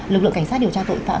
lực lượng cảnh sát điều tra tội phạm